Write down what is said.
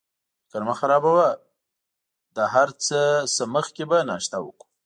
فکر مه خرابوه، له هر څه نه مخکې به ناشته وکړو.